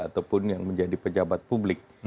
ataupun yang menjadi pejabat publik